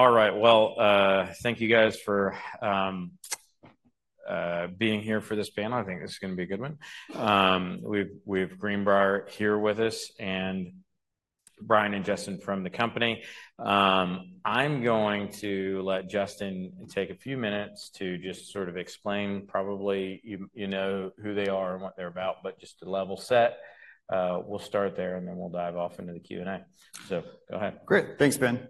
All right. Well, thank you guys for being here for this panel. I think this is going to be a good one. We have Greenbrier here with us and Brian and Justin from the company. I'm going to let Justin take a few minutes to just sort of explain probably who they are and what they're about, but just to level set. We'll start there and then we'll dive off into the Q&A. So, go ahead. Great. Thanks, Ben.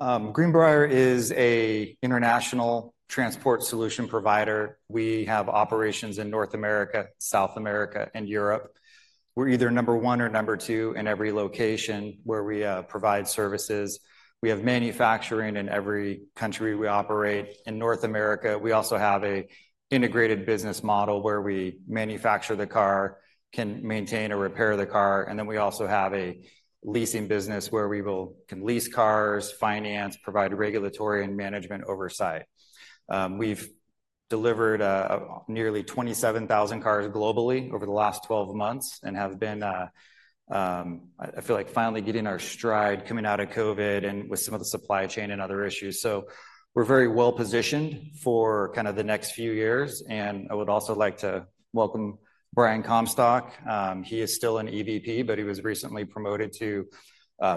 Greenbrier is an international transport solution provider. We have operations in North America, South America, and Europe. We're either number one or number two in every location where we provide services. We have manufacturing in every country we operate. In North America, we also have an integrated business model where we manufacture the car, can maintain or repair the car, and then we also have a leasing business where we can lease cars, finance, provide regulatory and management oversight. We've delivered nearly 27,000 cars globally over the last 12 months and have been, I feel like, finally getting our stride coming out of COVID and with some of the supply chain and other issues. So, we're very well positioned for kind of the next few years. And I would also like to welcome Brian Comstock. He is still an EVP, but he was recently promoted to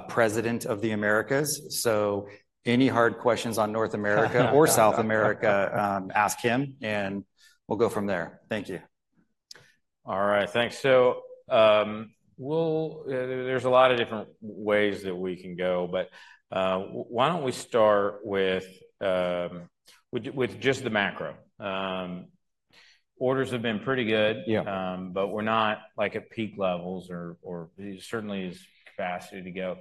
President of the Americas. So, any hard questions on North America or South America, ask him and we'll go from there. Thank you. All right. Thanks. So, there's a lot of different ways that we can go, but why don't we start with just the macro? Orders have been pretty good, but we're not at peak levels or certainly as fast as we need to go.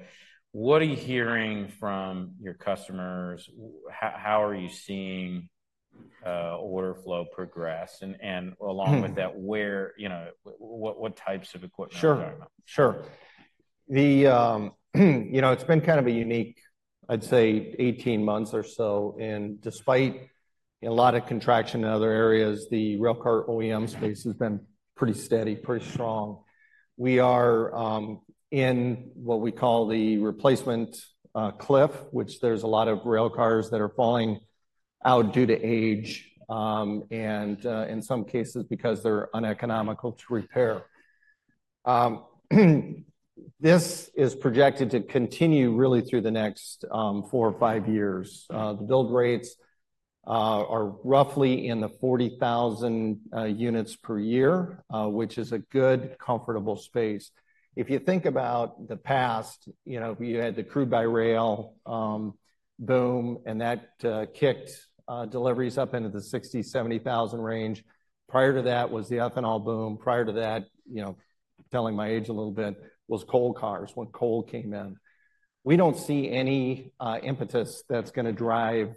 What are you hearing from your customers? How are you seeing order flow progress? And along with that, what types of equipment are we talking about? Sure. Sure. It's been kind of a unique, I'd say, 18 months or so. Despite a lot of contraction in other areas, the railcar OEM space has been pretty steady, pretty strong. We are in what we call the replacement cliff, which there's a lot of railcars that are falling out due to age and in some cases because they're uneconomical to repair. This is projected to continue really through the next four or five years. The build rates are roughly in the 40,000 units per year, which is a good, comfortable space. If you think about the past, you had the crude by rail boom and that kicked deliveries up into the 60,000, 70,000 range. Prior to that was the ethanol boom. Prior to that, telling my age a little bit, was coal cars when coal came in. We don't see any impetus that's going to drive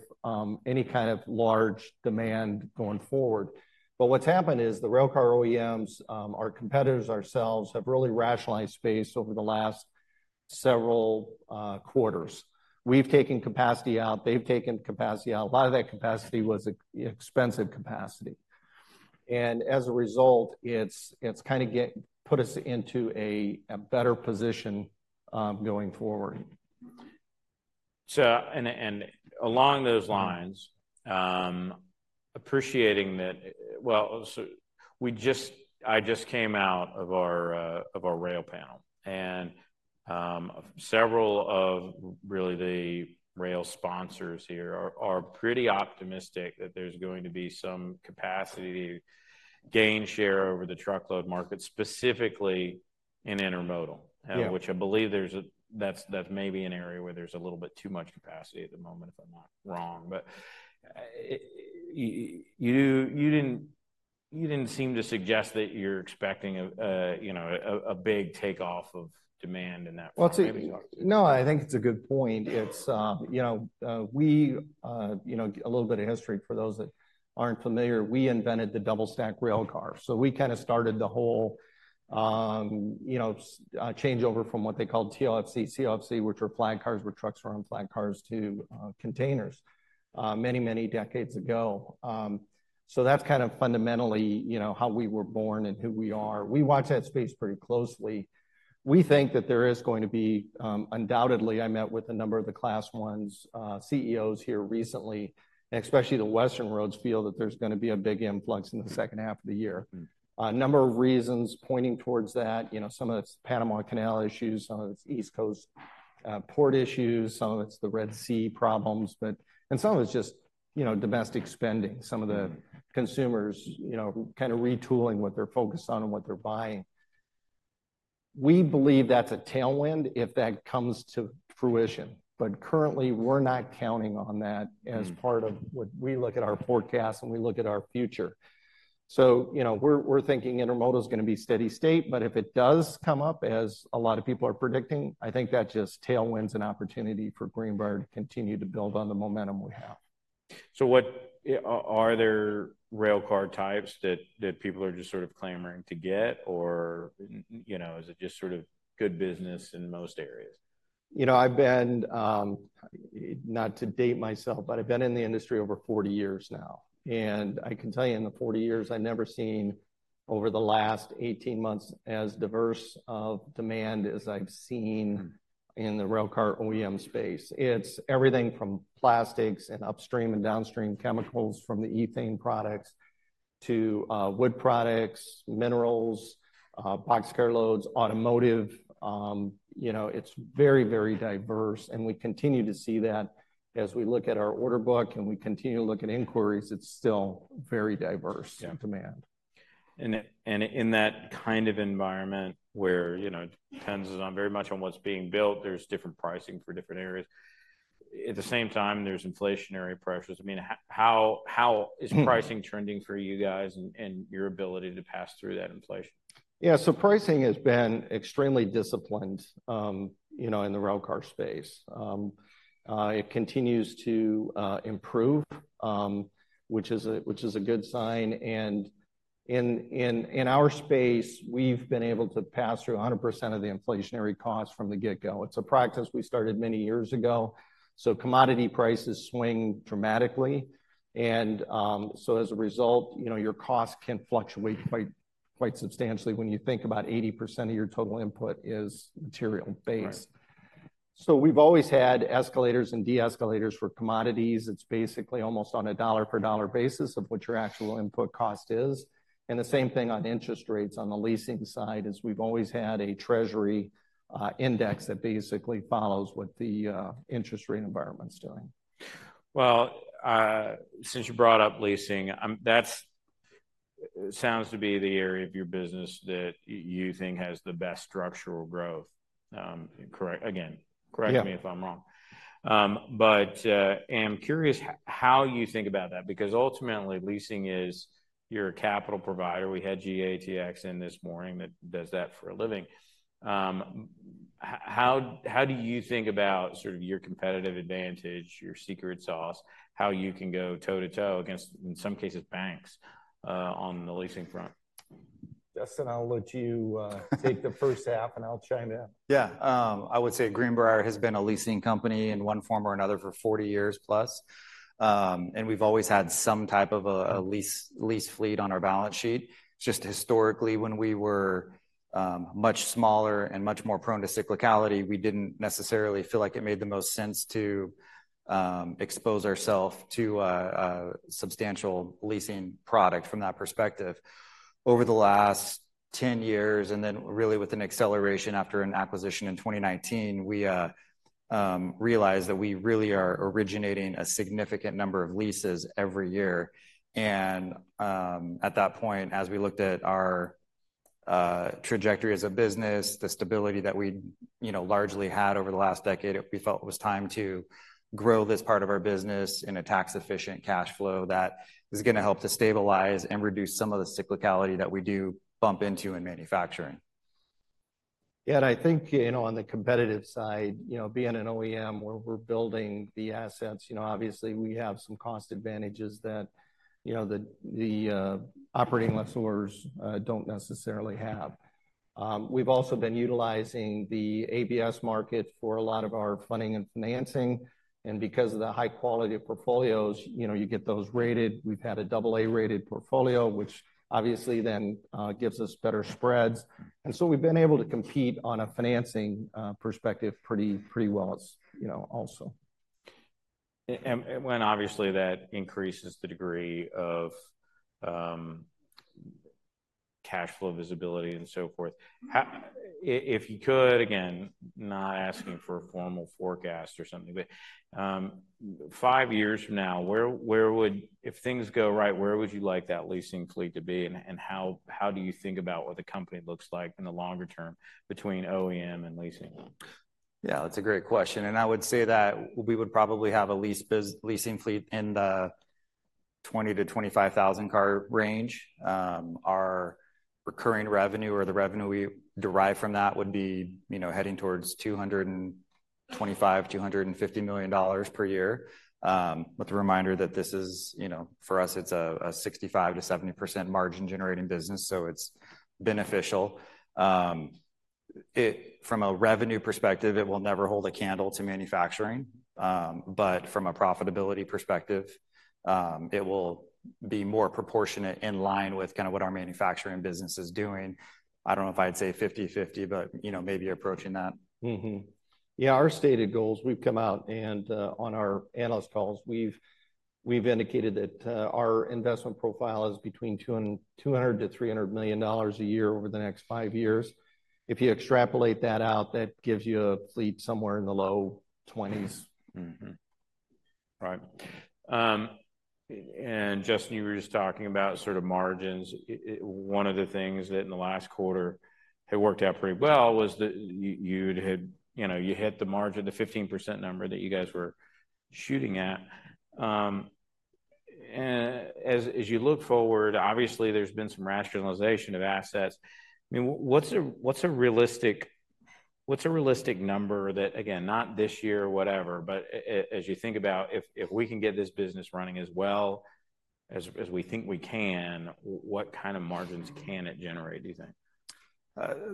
any kind of large demand going forward. But what's happened is the railcar OEMs, our competitors ourselves, have really rationalized space over the last several quarters. We've taken capacity out. They've taken capacity out. A lot of that capacity was expensive capacity. And as a result, it's kind of put us into a better position going forward. So, and along those lines, appreciating that, well, I just came out of our rail panel and several of, really, the rail sponsors here are pretty optimistic that there's going to be some capacity to gain share over the truckload market, specifically in intermodal, which I believe that's maybe an area where there's a little bit too much capacity at the moment, if I'm not wrong. But you didn't seem to suggest that you're expecting a big takeoff of demand in that way. Well, no, I think it's a good point. A little bit of history for those that aren't familiar, we invented the double-stack railcar. So, we kind of started the whole changeover from what they called TOFC, COFC, which were flat cars where trucks were on flat cars to containers many, many decades ago. So, that's kind of fundamentally how we were born and who we are. We watch that space pretty closely. We think that there is going to be undoubtedly. I met with a number of the Class I CEOs here recently, especially the Western roads feel that there's going to be a big influx in the second half of the year. A number of reasons pointing towards that, some of it's Panama Canal issues, some of it's East Coast port issues, some of it's the Red Sea problems, and some of it's just domestic spending, some of the consumers kind of retooling what they're focused on and what they're buying. We believe that's a tailwind if that comes to fruition, but currently we're not counting on that as part of what we look at our forecasts and we look at our future. So, we're thinking intermodal is going to be steady state, but if it does come up as a lot of people are predicting, I think that just tailwinds an opportunity for Greenbrier to continue to build on the momentum we have. Are there railcar types that people are just sort of clamoring to get or is it just sort of good business in most areas? You know, I've been, not to date myself, but I've been in the industry over 40 years now. I can tell you in the 40 years, I've never seen over the last 18 months as diverse of demand as I've seen in the railcar OEM space. It's everything from plastics and upstream and downstream chemicals from the ethane products to wood products, minerals, box cargo loads, automotive. It's very, very diverse and we continue to see that as we look at our order book and we continue to look at inquiries, it's still very diverse demand. In that kind of environment where depends very much on what's being built, there's different pricing for different areas. At the same time, there's inflationary pressures. I mean, how is pricing trending for you guys and your ability to pass through that inflation? Yeah. So, pricing has been extremely disciplined in the railcar space. It continues to improve, which is a good sign. And in our space, we've been able to pass through 100% of the inflationary costs from the get-go. It's a practice we started many years ago. So, commodity prices swing dramatically. And so, as a result, your costs can fluctuate quite substantially when you think about 80% of your total input is material-based. So, we've always had escalators and de-escalators for commodities. It's basically almost on a dollar-per-dollar basis of what your actual input cost is. And the same thing on interest rates on the leasing side is we've always had a treasury index that basically follows what the interest rate environment is doing. Well, since you brought up leasing, that sounds to be the area of your business that you think has the best structural growth. Again, correct me if I'm wrong. But I'm curious how you think about that because ultimately leasing is your capital provider. We had GATX in this morning that does that for a living. How do you think about sort of your competitive advantage, your secret sauce, how you can go toe-to-toe against, in some cases, banks on the leasing front? Justin, I'll let you take the first half and I'll chime in. Yeah. I would say Greenbrier has been a leasing company in one form or another for 40 years plus. We've always had some type of a lease fleet on our balance sheet. It's just historically when we were much smaller and much more prone to cyclicality, we didn't necessarily feel like it made the most sense to expose ourselves to substantial leasing product from that perspective. Over the last 10 years, and then really with an acceleration after an acquisition in 2019, we realized that we really are originating a significant number of leases every year. At that point, as we looked at our trajectory as a business, the stability that we largely had over the last decade, we felt it was time to grow this part of our business in a tax-efficient cash flow that is going to help to stabilize and reduce some of the cyclicality that we do bump into in manufacturing. Yeah. And I think on the competitive side, being an OEM where we're building the assets, obviously we have some cost advantages that the operating lessors don't necessarily have. We've also been utilizing the ABS market for a lot of our funding and financing. And because of the high quality of portfolios, you get those rated. We've had a AA rated portfolio, which obviously then gives us better spreads. And so, we've been able to compete on a financing perspective pretty well also. When obviously that increases the degree of cash flow visibility and so forth, if you could, again, not asking for a formal forecast or something, but five years from now, if things go right, where would you like that leasing fleet to be? And how do you think about what the company looks like in the longer term between OEM and leasing? Yeah, that's a great question. I would say that we would probably have a leasing fleet in the 20,000 to 25,000 car range. Our recurring revenue or the revenue we derive from that would be heading towards $225 million to $250 million per year. With the reminder that this is, for us, it's a 65% to 70% margin generating business. It's beneficial. From a revenue perspective, it will never hold a candle to manufacturing. From a profitability perspective, it will be more proportionate in line with kind of what our manufacturing business is doing. I don't know if I'd say 50/50, but maybe approaching that. Yeah. Our stated goals, we've come out and on our analyst calls, we've indicated that our investment profile is between $200 million to $300 million a year over the next five years. If you extrapolate that out, that gives you a fleet somewhere in the low 20s. Right. And Justin, you were just talking about sort of margins. One of the things that in the last quarter had worked out pretty well was that you hit the margin, the 15% number that you guys were shooting at. And as you look forward, obviously there's been some rationalization of assets. I mean, what's a realistic number that, again, not this year or whatever, but as you think about if we can get this business running as well as we think we can, what kind of margins can it generate, do you think?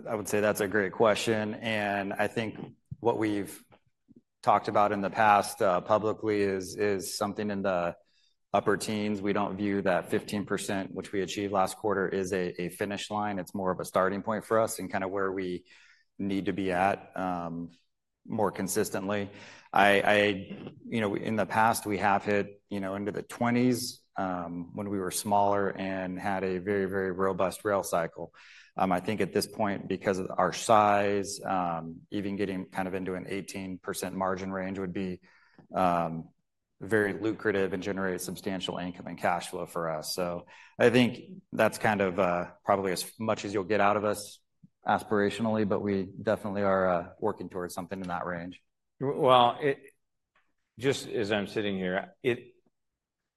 I would say that's a great question. I think what we've talked about in the past publicly is something in the upper teens. We don't view that 15%, which we achieved last quarter, as a finish line. It's more of a starting point for us and kind of where we need to be at more consistently. In the past, we have hit into the 20s when we were smaller and had a very, very robust rail cycle. I think at this point, because of our size, even getting kind of into an 18% margin range would be very lucrative and generate substantial income and cash flow for us. So, I think that's kind of probably as much as you'll get out of us aspirationally, but we definitely are working towards something in that range. Well, just as I'm sitting here,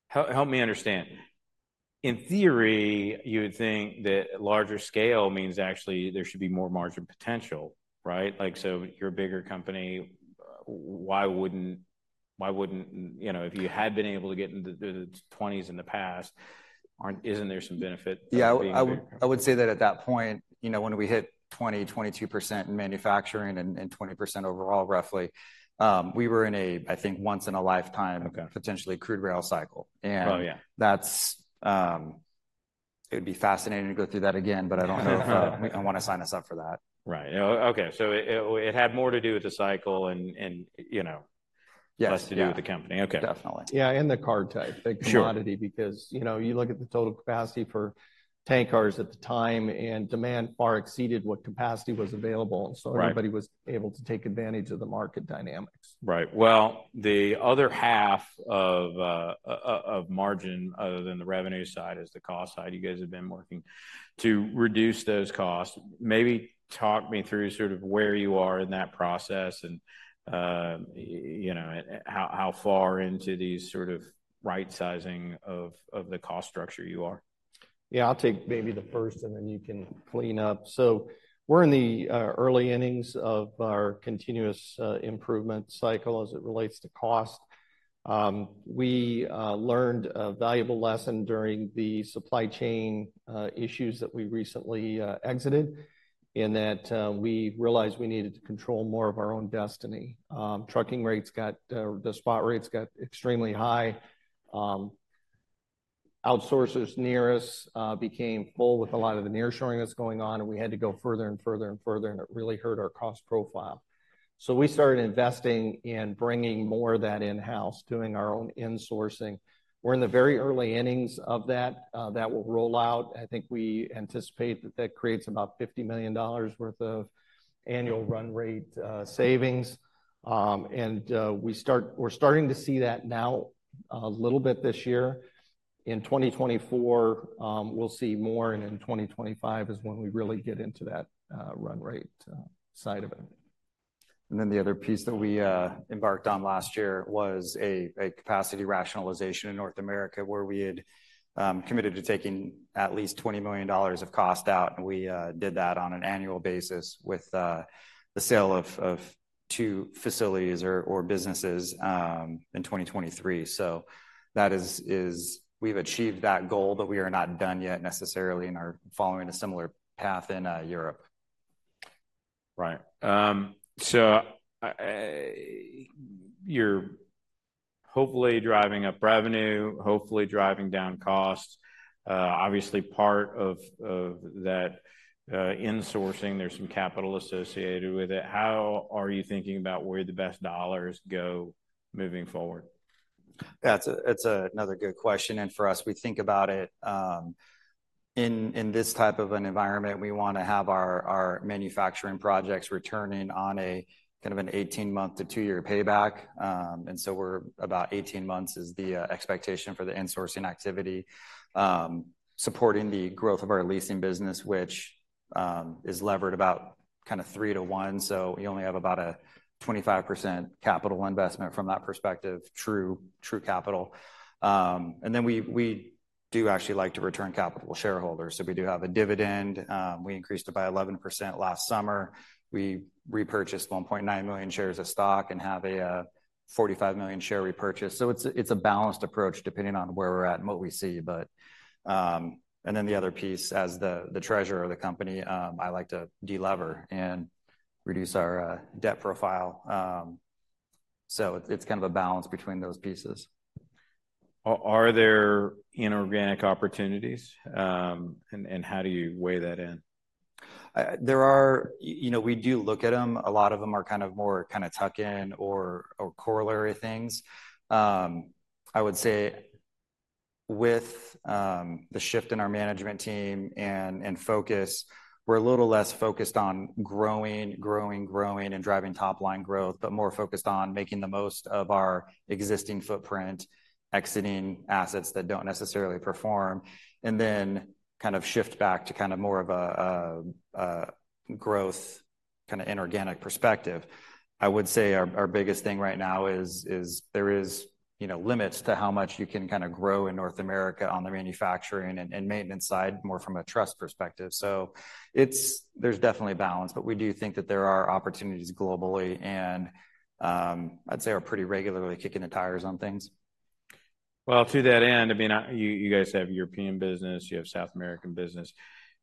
help me understand. In theory, you would think that larger scale means actually there should be more margin potential, right? So, you're a bigger company. Why wouldn't if you had been able to get into the 20s in the past, isn't there some benefit? Yeah. I would say that at that point, when we hit 20% to 22% in manufacturing and 20% overall, roughly, we were in a, I think, once-in-a-lifetime potentially crude rail cycle. It would be fascinating to go through that again, but I don't know if I want to sign us up for that. Right. Okay. So, it had more to do with the cycle and less to do with the company. Okay. Yeah. In the car type commodity because you look at the total capacity for tank cars at the time and demand far exceeded what capacity was available. And so, everybody was able to take advantage of the market dynamics. Right. Well, the other half of margin, other than the revenue side, is the cost side. You guys have been working to reduce those costs. Maybe talk me through sort of where you are in that process and how far into these sort of right-sizing of the cost structure you are. Yeah. I'll take maybe the first and then you can clean up. So, we're in the early innings of our continuous improvement cycle as it relates to cost. We learned a valuable lesson during the supply chain issues that we recently exited in that we realized we needed to control more of our own destiny. Trucking rates got, the spot rates got extremely high. Outsourcers near us became full with a lot of the nearshoring that's going on and we had to go further and further and further and it really hurt our cost profile. So, we started investing in bringing more of that in-house, doing our own insourcing. We're in the very early innings of that. That will roll out. I think we anticipate that that creates about $50 million worth of annual run rate savings. And we're starting to see that now a little bit this year. In 2024, we'll see more and in 2025 is when we really get into that run rate side of it. Then the other piece that we embarked on last year was a capacity rationalization in North America where we had committed to taking at least $20 million of cost out and we did that on an annual basis with the sale of two facilities or businesses in 2023. We've achieved that goal, but we are not done yet necessarily and are following a similar path in Europe. Right. So, you're hopefully driving up revenue, hopefully driving down costs. Obviously, part of that insourcing, there's some capital associated with it. How are you thinking about where the best dollars go moving forward? Yeah. It's another good question. And for us, we think about it in this type of an environment, we want to have our manufacturing projects returning on kind of an 18-month to 2-year payback. And so, about 18 months is the expectation for the insourcing activity supporting the growth of our leasing business, which is levered about kind of 3-to-1. So, you only have about a 25% capital investment from that perspective, true capital. And then we do actually like to return capital to shareholders. So, we do have a dividend. We increased it by 11% last summer. We repurchased 1.9 million shares of stock and have a 45 million share repurchase. So, it's a balanced approach depending on where we're at and what we see. And then the other piece, as the treasurer of the company, I like to de-lever and reduce our debt profile. So, it's kind of a balance between those pieces. Are there inorganic opportunities? And how do you weigh that in? We do look at them. A lot of them are kind of more kind of tuck-in or corollary things. I would say with the shift in our management team and focus, we're a little less focused on growing, growing, growing, and driving top-line growth, but more focused on making the most of our existing footprint, exiting assets that don't necessarily perform. And then kind of shift back to kind of more of a growth kind of inorganic perspective. I would say our biggest thing right now is there are limits to how much you can kind of grow in North America on the manufacturing and maintenance side more from a truck perspective. So, there's definitely balance, but we do think that there are opportunities globally and I'd say we're pretty regularly kicking the tires on things. Well, to that end, I mean, you guys have European business, you have South American business.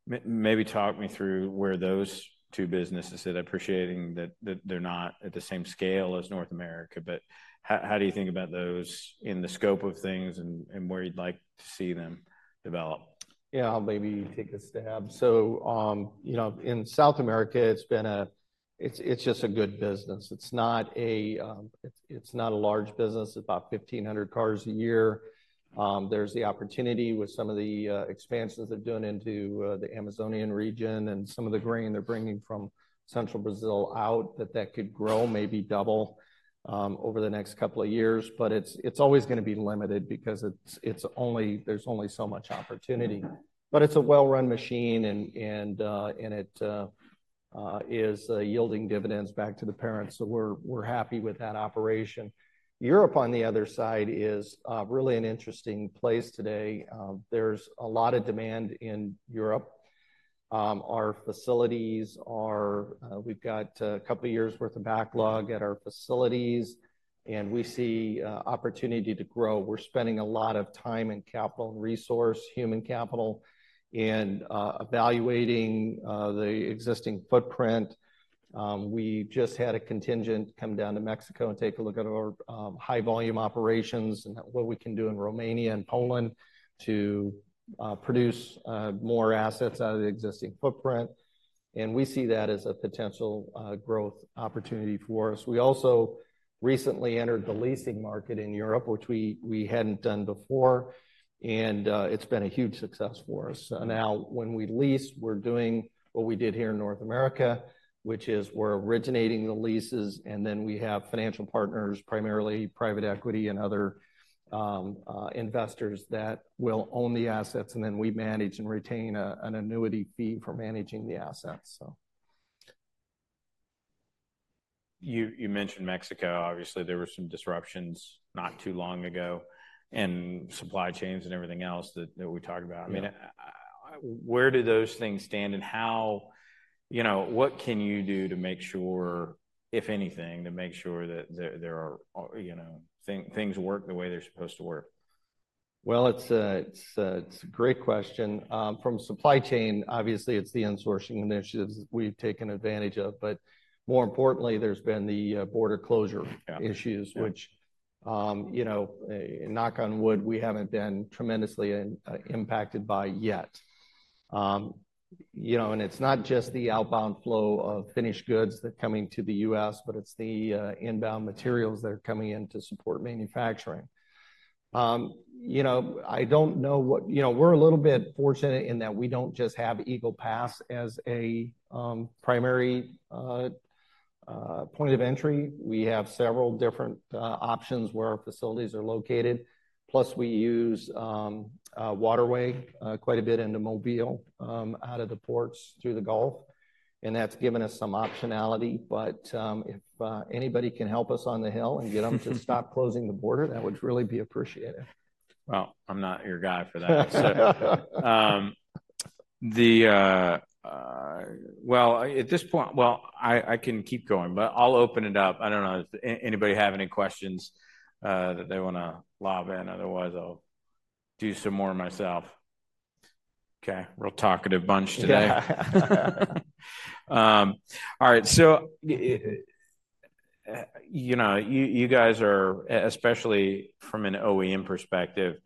Maybe talk me through where those two businesses at. I appreciate that they're not at the same scale as North America, but how do you think about those in the scope of things and where you'd like to see them develop? Yeah. I'll maybe take a stab. So, in South America, it's just a good business. It's not a large business. It's about 1,500 cars a year. There's the opportunity with some of the expansions they're doing into the Amazon region and some of the grain they're bringing from Central Brazil out that could grow maybe double over the next couple of years, but it's always going to be limited because there's only so much opportunity. But it's a well-run machine and it is yielding dividends back to the parents. So, we're happy with that operation. Europe, on the other side, is really an interesting place today. There's a lot of demand in Europe. Our facilities are, we've got a couple of years' worth of backlog at our facilities and we see opportunity to grow. We're spending a lot of time and capital and resource, human capital, and evaluating the existing footprint. We just had a contingent come down to Mexico and take a look at our high-volume operations and what we can do in Romania and Poland to produce more assets out of the existing footprint. We see that as a potential growth opportunity for us. We also recently entered the leasing market in Europe, which we hadn't done before. It's been a huge success for us. Now, when we lease, we're doing what we did here in North America, which is we're originating the leases and then we have financial partners, primarily private equity and other investors that will own the assets and then we manage and retain an annuity fee for managing the assets. You mentioned Mexico. Obviously, there were some disruptions not too long ago and supply chains and everything else that we talked about. I mean, where do those things stand and what can you do to make sure, if anything, to make sure that things work the way they're supposed to work? Well, it's a great question. From supply chain, obviously it's the insourcing initiatives we've taken advantage of, but more importantly, there's been the border closure issues, which knock on wood, we haven't been tremendously impacted by yet. And it's not just the outbound flow of finished goods that are coming to the U.S., but it's the inbound materials that are coming in to support manufacturing. I don't know what, we're a little bit fortunate in that we don't just have Eagle Pass as a primary point of entry. We have several different options where our facilities are located. Plus, we use waterway quite a bit into Mobile out of the ports through the Gulf. And that's given us some optionality, but if anybody can help us on the hill and get them to stop closing the border, that would really be appreciated. Well, I'm not your guy for that. Well, at this point, I can keep going, but I'll open it up. I don't know if anybody has any questions that they want to lob in. Otherwise, I'll do some more myself. Okay. Real talkative bunch today. All right. So, you guys are, especially from an OEM perspective,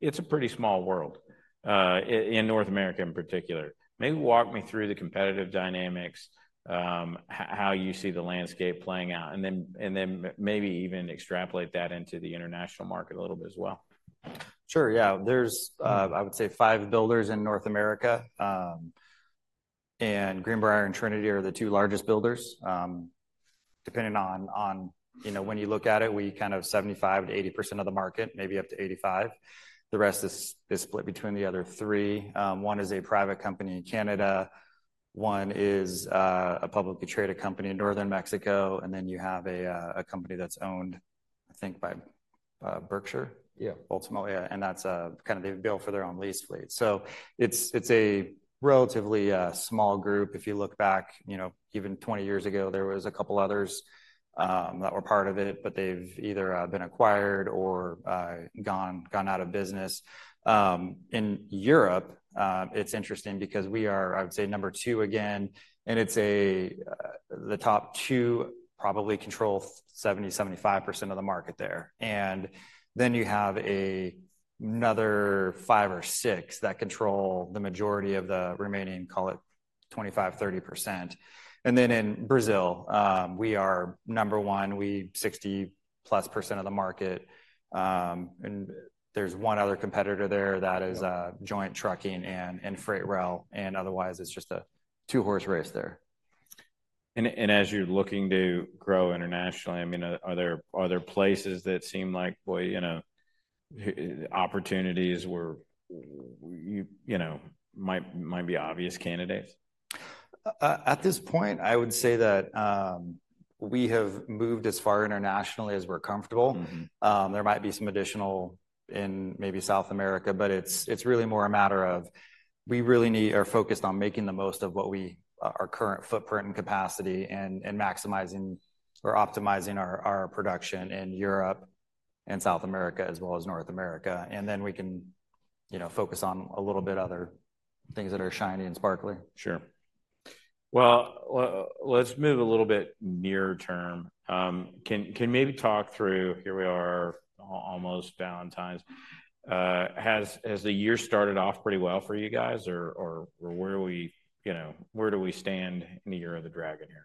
it's a pretty small world in North America in particular. Maybe walk me through the competitive dynamics, how you see the landscape playing out, and then maybe even extrapolate that into the international market a little bit as well. Sure. Yeah. I would say five builders in North America. Greenbrier and Trinity are the two largest builders. Depending on when you look at it, we kind of 75% to 80% of the market, maybe up to 85%. The rest is split between the other three. One is a private company in Canada. One is a publicly traded company in Northern Mexico. Then you have a company that's owned, I think, by Berkshire. Yeah. Ultimately, and that's kind of they build for their own lease fleet. So, it's a relatively small group. If you look back, even 20 years ago, there was a couple others that were part of it, but they've either been acquired or gone out of business. In Europe, it's interesting because we are, I would say, number two again, and it's the top two probably control 70% to 75% of the market there. And then you have another five or six that control the majority of the remaining, call it 25% to 30%. And then in Brazil, we are number one. We have +60% of the market. And there's one other competitor there that is joint trucking and freight rail. And otherwise, it's just a two-horse race there. As you're looking to grow internationally, I mean, are there places that seem like, boy, opportunities where you might be obvious candidates? At this point, I would say that we have moved as far internationally as we're comfortable. There might be some additional in maybe South America, but it's really more a matter of we really need to be focused on making the most of what we our current footprint and capacity and maximizing or optimizing our production in Europe and South America as well as North America. And then we can focus on a little bit other things that are shiny and sparkly. Sure. Well, let's move a little bit near term. Can maybe talk through, here we are almost Valentine's. Has the year started off pretty well for you guys or where do we stand in the Year of the Dragon here?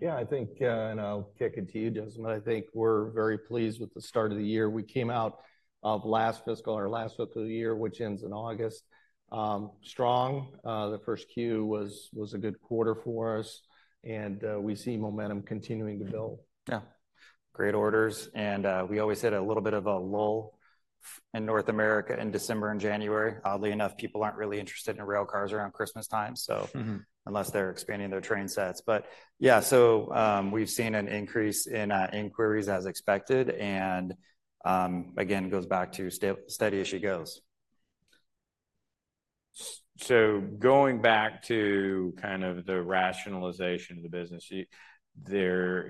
Yeah. I think, and I'll kick into you, Justin, I think we're very pleased with the start of the year. We came out of last fiscal or last fiscal year, which ends in August, strong. The first Q was a good quarter for us and we see momentum continuing to build. Yeah. Great orders. And we always hit a little bit of a lull in North America in December and January. Oddly enough, people aren't really interested in railcars around Christmas time. So, unless they're expanding their train sets. But yeah, so we've seen an increase in inquiries as expected. And again, it goes back to steady as she goes. So, going back to kind of the rationalization of the business, there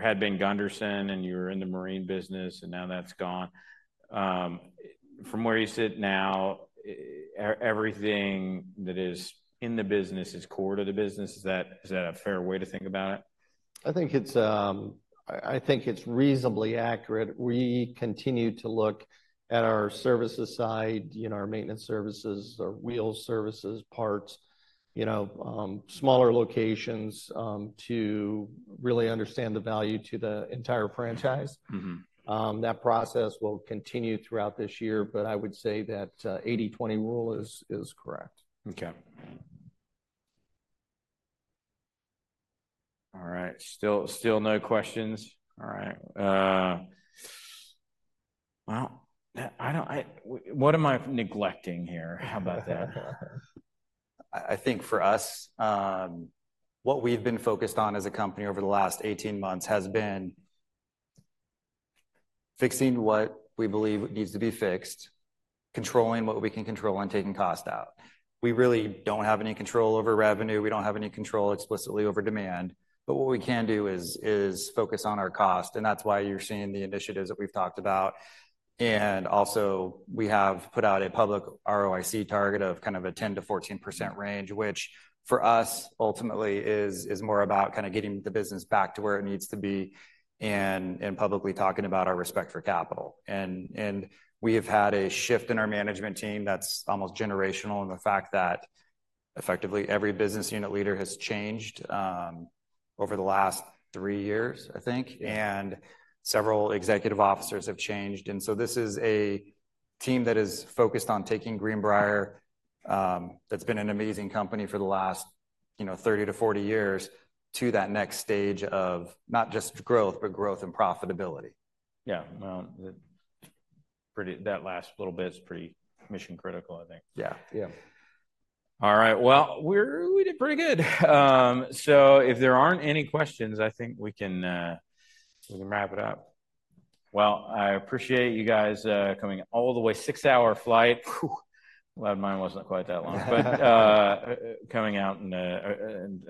had been Gunderson and you were in the marine business and now that's gone. From where you sit now, everything that is in the business is core to the business. Is that a fair way to think about it? I think it's reasonably accurate. We continue to look at our services side, our maintenance services, our wheel services, parts, smaller locations to really understand the value to the entire franchise. That process will continue throughout this year, but I would say that 80/20 rule is correct. Okay. All right. Still no questions. All right. Well, what am I neglecting here? How about that? I think for us, what we've been focused on as a company over the last 18 months has been fixing what we believe needs to be fixed, controlling what we can control, and taking cost out. We really don't have any control over revenue. We don't have any control explicitly over demand. But what we can do is focus on our cost. And that's why you're seeing the initiatives that we've talked about. And also, we have put out a public ROIC target of kind of a 10% to 14% range, which for us, ultimately, is more about kind of getting the business back to where it needs to be and publicly talking about our respect for capital. And we have had a shift in our management team that's almost generational in the fact that effectively every business unit leader has changed over the last three years, I think. Several executive officers have changed. So this is a team that is focused on taking Greenbrier that's been an amazing company for the last 30 to 40 years to that next stage of not just growth, but growth and profitability. Yeah. Well, that last little bit is pretty mission critical, I think. Yeah. Yeah. All right. Well, we did pretty good. So, if there aren't any questions, I think we can wrap it up. Well, I appreciate you guys coming all the way, six-hour flight. Glad mine wasn't quite that long, but coming out and.